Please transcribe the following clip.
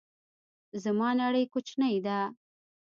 زما نړۍ کوچنۍ ده